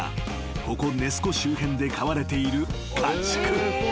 ［ここネス湖周辺で飼われている］